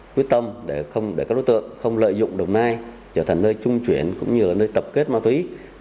quyết tâm để không để các đối tượng không lợi dụng đồng nai trở thành nơi trung chuyển cũng như là nơi tập kết ma túy